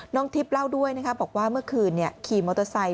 ทิพย์เล่าด้วยนะคะบอกว่าเมื่อคืนขี่มอเตอร์ไซค